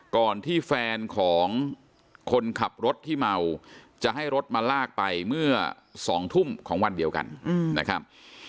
ก่อนที่แฟนของคนขับรถที่เมาจะให้รถมาลากไปเมื่อ๒ทุ่มของวันเดียวกันนะครับ